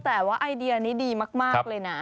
แต่ว่าไอเดียนี้ดีมากเลยนะ